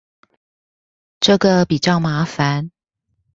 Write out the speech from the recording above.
這個比較麻煩